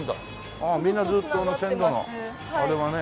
ああみんなずっとあの線路のあれがね。